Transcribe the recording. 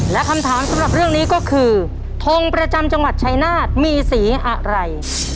และคำถามสำหรับเรื่องนี้ก็คือทงประจำจังหวัดชายนาฏมีสีอะไร